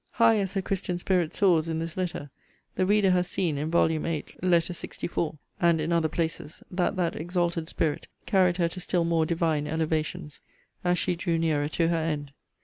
High as her christian spirit soars in this letter, the reader has seen, in Vol. VIII. Letter LXIV. and in other places, that that exalted spirit carried her to still more divine elevations, as she drew nearer to her end.